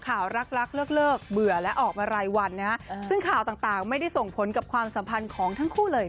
ก็มีเรื่อยนะครับเรื่อยอ่ะตกใจใช่ก็มีมีเรื่อย